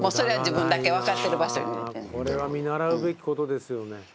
これは見習うべきことですよね。